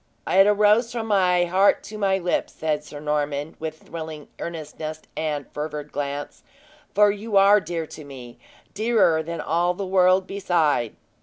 "It arose from my heart to my lips," said Sir Norman, with thrilling earnestness and fervid glance; "for you are dear to me dearer than all the world beside!"